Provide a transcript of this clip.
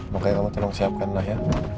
pokoknya kamu tolong siapkanlah ya